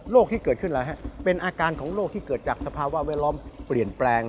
ที่เกิดขึ้นอะไรฮะเป็นอาการของโรคที่เกิดจากสภาวะแวดล้อมเปลี่ยนแปลง